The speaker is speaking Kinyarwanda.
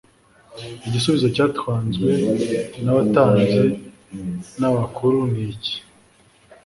Igisubizo cyatanzwe n'abatambyi n'abakuru ni iki